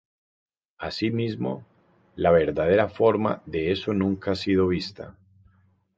Así mismo, la verdadera forma de Eso nunca ha sido vista.